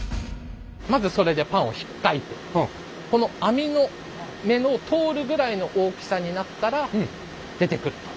まずそれでパンをひっかいてこの網の目の通るぐらいの大きさになったら出てくると。